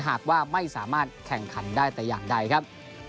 หากว่าไม่สามารถแข่งขันได้แต่อย่างใดครับ